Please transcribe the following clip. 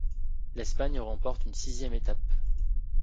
L'Espagne remporte une sixième étape.